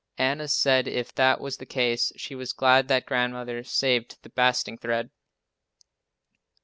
Anna said if that was the case she was glad that Grandmother saved the basting thread!